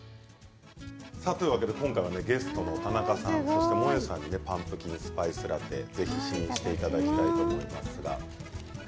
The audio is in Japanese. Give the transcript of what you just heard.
というわけで今回はゲストの田中さんそして、もえさんにパンプキンスパイスラテぜひ試飲していただきたいと思います。